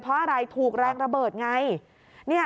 เพราะอะไรถูกแรงระเบิดไง